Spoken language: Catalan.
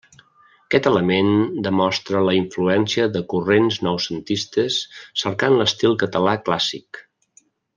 Aquest element demostra la influència de corrents noucentistes cercant l'estil català clàssic.